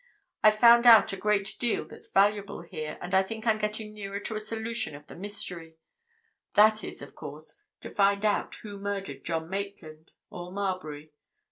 I've found out a great deal that's valuable here, and I think I'm getting nearer to a solution of the mystery. That is, of course, to find out who murdered John Maitland, or Marbury.